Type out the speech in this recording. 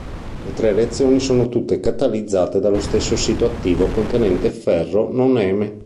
Le tre reazioni sono tutte catalizzate dallo stesso sito attivo contenente ferro non eme.